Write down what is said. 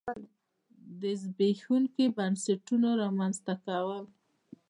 د زبېښونکو بنسټونو رامنځته کول.